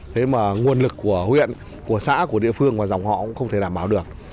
thế mà nguồn lực của huyện của xã của địa phương và dòng họ cũng không thể đảm bảo được